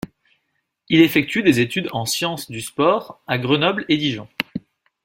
Il effectue des études en sciences du sport à Grenoble et Dijon.